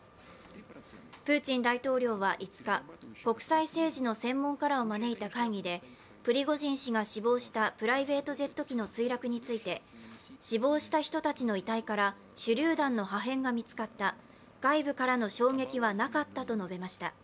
プーチン大統領は５日、国際政治の専門家らを招いた会議でプリゴジン氏が死亡したプライベートジェット機の墜落について死亡した人たちの遺体から手りゅう弾の破片が見つかった外部からの衝撃はなかったと述べました。